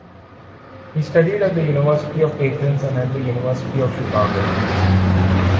He studied at the University of Athens and at the University of Chicago.